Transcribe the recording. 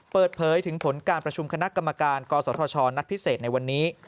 เปิดเผยถึงผลการประชุมคณะกรรมการกศธชนัดพิเศษในวันนี้